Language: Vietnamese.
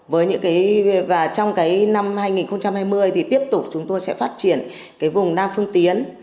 và trong cái năm hai nghìn hai mươi thì tiếp tục chúng tôi sẽ phát triển cái vùng nam phương tiến